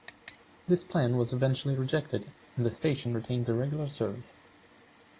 This plan was eventually rejected, and the station retains a regular service.